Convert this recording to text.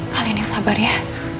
kalian yang sabar ya